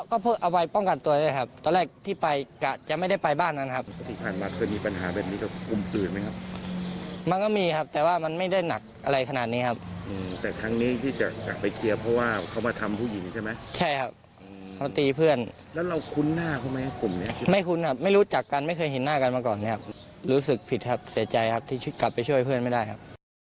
รู้สึกผิดครับเสียใจครับที่กลับไปช่วยเพื่อนไม่ได้ครับ